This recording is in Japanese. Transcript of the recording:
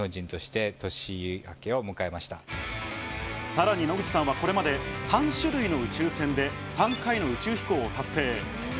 さらに野口さんは、これまで３種類の宇宙船で３回の宇宙飛行を達成。